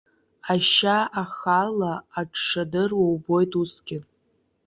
Ашьа ахала аҽшадыруа убоит усгьы.